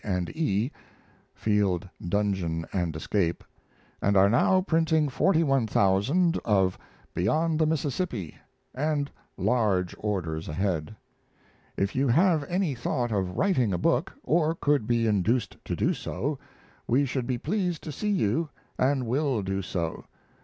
and E. ['Field, Dungeon and Escape'), and are now printing 41,000 of 'Beyond the Mississippi', and large orders ahead. If you have any thought of writing a book, or could be induced to do so, we should be pleased to see you, and will do so.